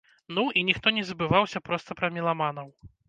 Ну, і ніхто не забываўся проста пра меламанаў!